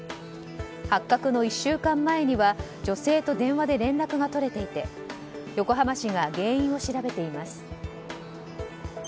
発覚の１週間前には女性と電話で連絡が取れていて横浜市が原因を調べています。